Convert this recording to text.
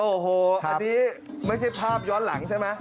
โอ้โหอันนี้ไม่ใช่ภาพย้อนหลังใช่ไหม